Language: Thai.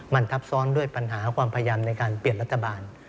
มันทับซ้อนด้วยปัญหาความพยายามในการเปลี่ยนรัฐบาล